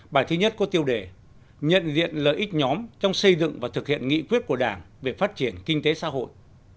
bài thứ nhất có tiêu đề nhận diện lợi ích nhóm trong xây dựng và thực hiện nghị quyết của đảng về phát triển kinh tế xã hội